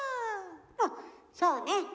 おっそうね。